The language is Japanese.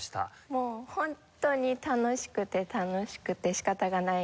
もうホントに楽しくて楽しくて仕方がなかったです。